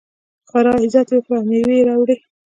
خورا عزت یې وکړ او مېوې یې راوړې.